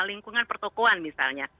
lingkungan pertokoan misalnya